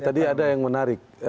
tadi ada yang menarik